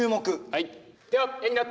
はい！